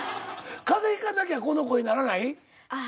風邪ひかなきゃこの声ならない？